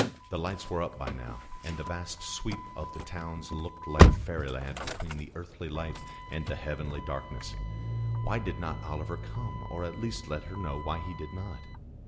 The lights were up by now, and the vast sweep of the towns looked like fairyland between the earthly light and the heavenly darkness. Why did not Oliver come, or at least let her know why he did not?